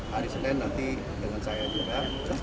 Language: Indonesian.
hari senin nanti dengan saya juga